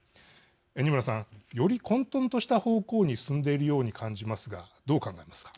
二村さん。より混とんとした方向に進んでいるように感じますがどう考えますか。